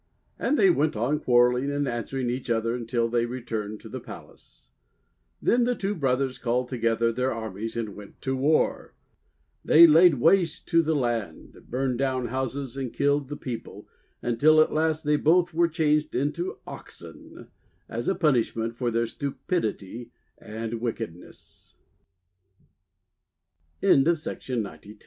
And they went on quarrelling and answering each other until they returned to the palace. Then the two brothers called together their armies and went to war. They laid waste the BOYS WHO BECAME PLEIADES 255 land, burned down houses, and killed the peo ple, until at last they both were changed into Oxen, as a punishment for their stupidit